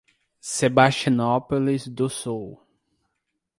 Sebastianópolis do Sul